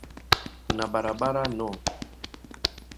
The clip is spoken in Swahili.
Kuna barabara no.